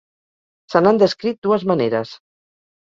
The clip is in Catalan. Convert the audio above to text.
Se n'han descrit dues maneres.